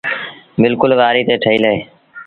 بلڪُل وآريٚ تي ٺهيٚل اهي۔